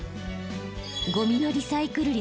ゴミのリサイクル率